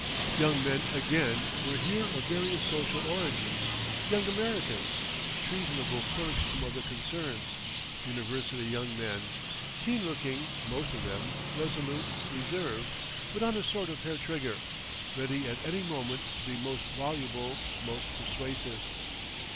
Young men again were here of various social origins, young Americans, treasonable clerks from other concerns, university young men, keen looking, most of them, resolute, reserved, but on a sort of hair trigger, ready at any moment to be most voluble, most persuasive.